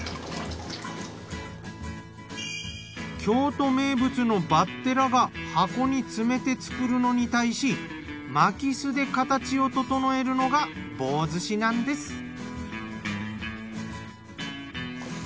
京都名物のバッテラが箱に詰めて作るのに対し巻きすで形を整えるのが棒寿司なんです。